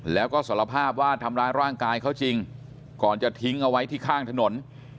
แล้วก็สารภาพว่าทำร้ายร่างกายเขาจริงก่อนจะทิ้งเอาไว้ที่ข้างถนน